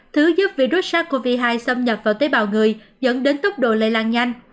thứ giúp virus sars cov hai xâm nhập vào tế bào người dẫn đến tốc độ lây lan nhanh